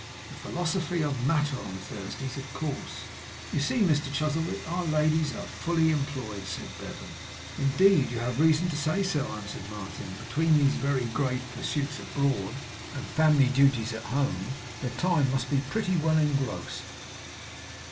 'The Philosophy of Matter on Thursdays, of course.' 'You see, Mr Chuzzlewit, our ladies are fully employed,' said Bevan. 'Indeed you have reason to say so,' answered Martin. 'Between these very grave pursuits abroad, and family duties at home, their time must be pretty well engrossed.